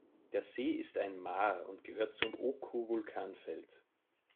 Der See ist ein Maar und gehört zum Oku-Vulkanfeld.